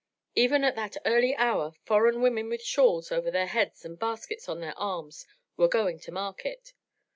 Even at that early hour foreign women with shawls over their heads and baskets on their arms were going to market.